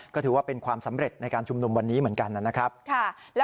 ก็ถือว่าเป็นความสำเร็จในการชุมนุมวันนี้เหมือนกันนะครับ